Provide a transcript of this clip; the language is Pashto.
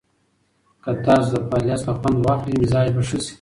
که تاسو د فعالیت څخه خوند واخلئ، مزاج به ښه شي.